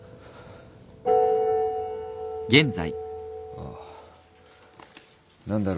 ああ何だろう